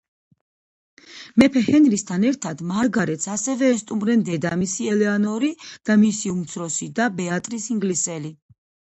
მეფე ჰენრისთან ერთად, მარგარეტს ასევე ესტუმრნენ დედამისი ელეანორი და მისი უმცროსი და, ბეატრის ინგლისელი.